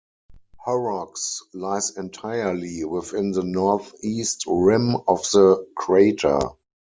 Horrocks lies entirely within the northeast rim of the crater.